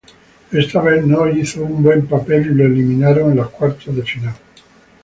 Esta vez no realizó un buen papel y quedó eliminado en cuartos de final.